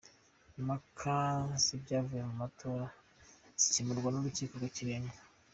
Impaka z’ibyavuye mu matora zikemurwa n’urukiko rw’ikirenga.